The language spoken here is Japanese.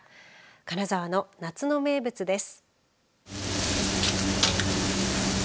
金沢の夏の名物です。